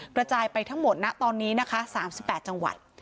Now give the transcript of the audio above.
กระจายไปทั้งหมดนะตอนนี้นะคะ๓๘จังหวัด